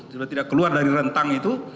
sudah tidak keluar dari rentang itu